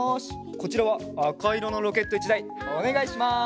こちらはあかいろのロケット１だいおねがいします。